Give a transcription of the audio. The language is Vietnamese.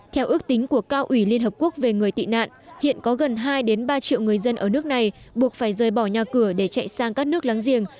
theo ước tính của cao ủy liên hợp quốc về người tị nạn hiện có gần hai ba triệu người dân ở nước này buộc phải rời bỏ nhà cửa để chạy sang các nước láng giềng